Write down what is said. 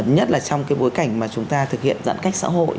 nhất là trong cái bối cảnh mà chúng ta thực hiện giãn cách xã hội